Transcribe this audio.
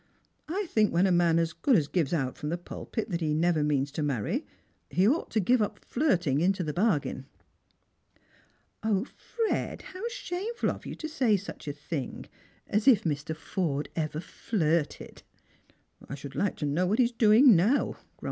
I think when a man as good as gives out from the pulpit that he never means to marry, he ought to give up flirting into the bargain." " 0, Fred, how shameful of you to say such a thing ! Aa if Mr. Forde ever flirted !"" I should like to know what he's doing now," grim?